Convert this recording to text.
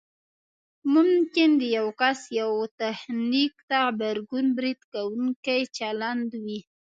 ممکن د یو کس یوه تخنیک ته غبرګون برید کوونکی چلند وي